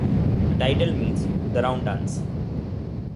The title means "the round-dance".